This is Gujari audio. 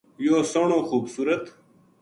یوہ سوہنو خوبصورت